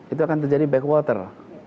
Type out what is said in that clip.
itu akan terjadi backwater